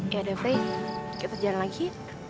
ya udah frey kita jalan lagi